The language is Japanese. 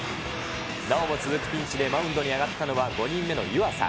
なおも続くピンチで、マウンドに上がったのは、５人目の湯浅。